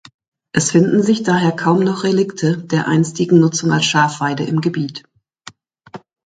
Es finden sich daher kaum noch Relikte der einstigen Nutzung als Schafweide im Gebiet.